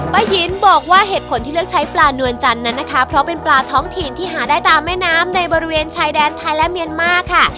ป้ายินบอกว่าเหตุผลที่เลือกใช้ปลานวลจันทร์นั้นนะคะเพราะเป็นปลาท้องถิ่นที่หาได้ตามแม่น้ำในบริเวณชายแดนไทยและเมียนมาร์ค่ะ